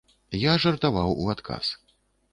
Я жартаваў у адказ.